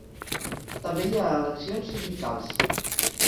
També hi ha eleccions sindicals.